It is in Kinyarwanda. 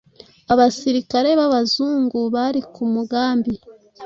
abasirikare b’abazungu bari ku mugambi